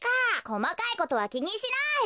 こまかいことはきにしない！